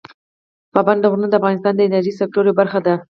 پابندي غرونه د افغانستان د انرژۍ سکتور یوه برخه ده.